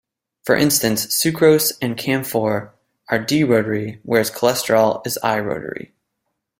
For instance, sucrose and camphor are d-rotary whereas cholesterol is l-rotary.